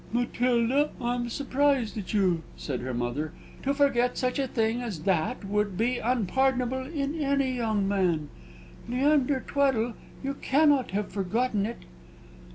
"Matilda, I'm surprised at you," said her mother. "To forget such a thing as that would be unpardonable in any young man. Leander Tweddle, you cannot have forgotten it."